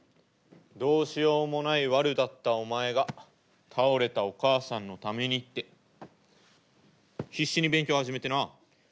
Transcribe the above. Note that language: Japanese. どうしようもないワルだったお前が倒れたお母さんのためにって必死に勉強始めてな。